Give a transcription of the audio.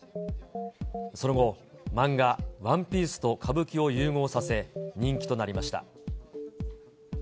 その後、漫画、ワンピースと歌舞伎を融合させ、人気となりました。